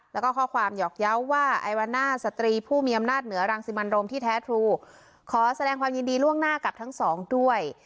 แล้วก็ข้อความหยอกเยาว์ว่าไอวาน่าสตรีผู้มีอำนาจเหนือรังสิมันโรมที่แท้ทรูขอแสดงความยินดีล่วงหน้ากับทั้งสองด้วย